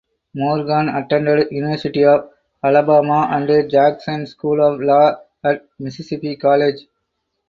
Morgan attended University of Alabama and Jackson School of Law at Mississippi College.